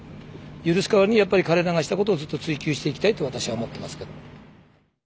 許す代わりにやっぱり彼らがしたことをずっと追及していきたいと私は思ってますけども。